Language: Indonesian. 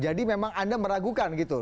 jadi memang anda meragukan gitu